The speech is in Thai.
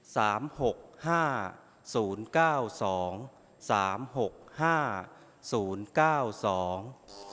หกห้าศูนย์เก้าสองสามหกห้าศูนย์เก้าสอง